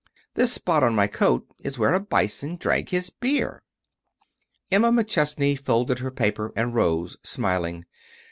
This spot on my coat is where a Bison drank his beer." Emma McChesney folded her paper and rose, smiling.